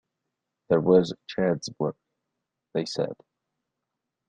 There was Chad's "work," they said.